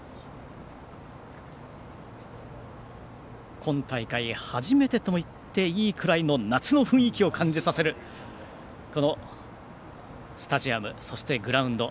今大会初めてと言っていいくらい夏の雰囲気を感じさせるこのスタジアムそしてグラウンド。